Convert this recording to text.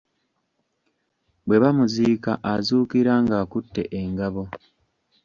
Bwe bamuziika azuukira ng'akutte engabo.